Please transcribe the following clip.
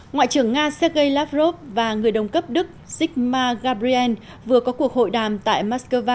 ngoại trưởng nga sergei lavrov và người đồng cấp đức sikma gabriel vừa có cuộc hội đàm tại moscow